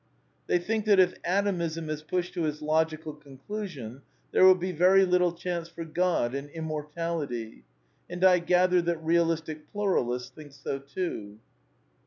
I They think that if Atomism is pushed to its logical condu 1 sion there will be very little chance for God and Im ) mortality. And I gather that Realistic Pluralists think so too.